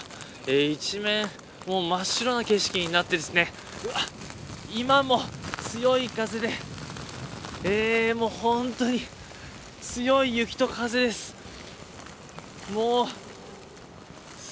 一面、真っ白な景色になって今も強い風で本当に強い雪と風です。